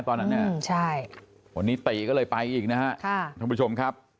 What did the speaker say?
ตอนนั้นเนี่ยใช่วันนี้ตีก็เลยไปอีกนะฮะท่านผู้ชมครับ